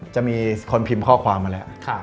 จะมีคนพิมพ์ข้อความมาแล้ว